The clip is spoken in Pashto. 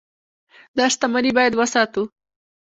دا شتمني باید وساتو.